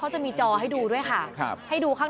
หมายเลข๗มีระยะอะไรนะครับ